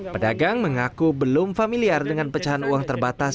pedagang mengaku belum familiar dengan pecahan uang terbatas